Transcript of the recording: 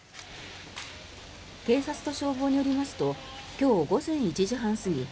警察と消防によりますと今日午前１時半過ぎ